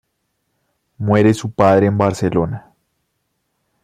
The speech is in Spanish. Muere su padre en Barcelona.